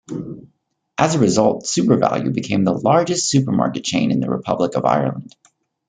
As a result, SuperValu became the largest supermarket chain in the Republic of Ireland.